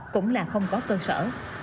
cũng là không có cơ sở